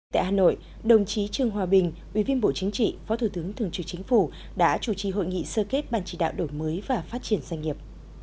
tại hà nội đồng chí trương hòa bình ủy viên bộ chính trị phó thủ tướng thường trực chính phủ đã chủ trì hội nghị sơ kết ban chỉ đạo đổi mới và phát triển doanh nghiệp